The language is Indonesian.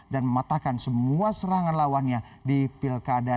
dan mematahkan semua serangan lawannya di pilkada